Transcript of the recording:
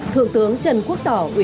thượng tướng trần quốc tỏ